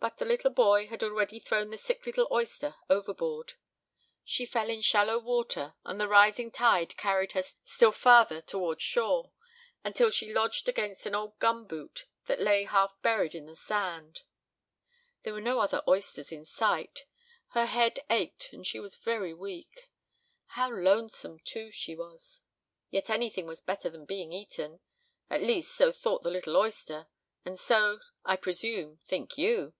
But the little boy had already thrown the sick little oyster overboard. She fell in shallow water, and the rising tide carried her still farther toward shore, until she lodged against an old gum boot that lay half buried in the sand. There were no other oysters in sight; her head ached and she was very weak; how lonesome, too, she was! yet anything was better than being eaten, at least so thought the little oyster, and so, I presume, think you.